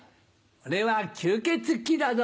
俺は吸血鬼だぞ。